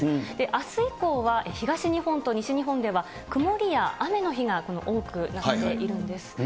あす以降は東日本と西日本では、曇りや雨の日が多くなっているんです。